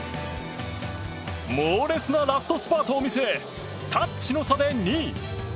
猛烈なラストスパートを見せタッチの差で２位。